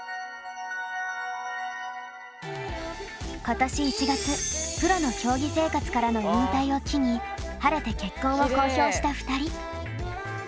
今年１月プロの競技生活からの引退を機に晴れて結婚を公表した２人。